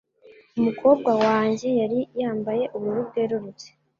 Umukobwa wanjye yari yambaye ubururu bwerurutse.